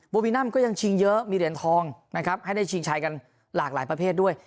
วินัมก็ยังชิงเยอะมีเหรียญทองนะครับให้ได้ชิงชัยกันหลากหลายประเภทด้วย